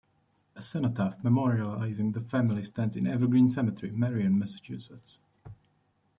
A cenotaph memorializing the family stands in Evergreen Cemetery, Marion, Massachusetts.